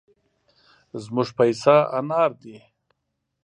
زموږ پيسه انار دي.